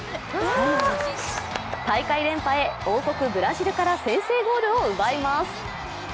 大会連覇へ王国ブラジルから先制ゴールを奪います。